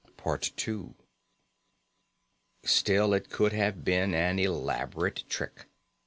Still, it could have been an elaborate trick.